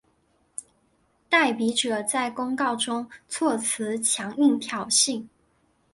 代笔者在公告中措辞强硬挑衅。